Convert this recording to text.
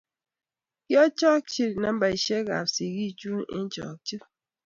Kiakochi nambeshek a sikik chuk eng chokchet